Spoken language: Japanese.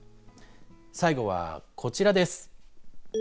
最後はこちらです。